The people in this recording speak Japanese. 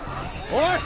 おい！